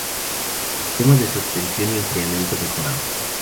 Sistema de suspensión y enfriamiento mejorado.